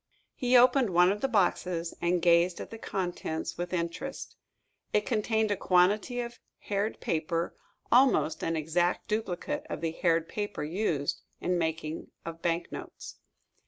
He opened one of the boxes, and gazed at the contents with interest. It contained a quantity of haired paper, almost an exact duplicate of the haired paper used in the making of banknotes.